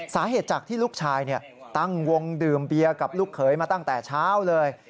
สาเหตุจากที่ลูกชายตั้งวงดื่มเบียร์กับลูกเขยมาตั้งแต่เช้าเลย